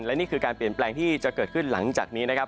และนี่คือการเปลี่ยนแปลงที่จะเกิดขึ้นหลังจากนี้นะครับ